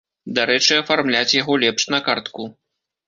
Дарэчы, афармляць яго лепш на картку.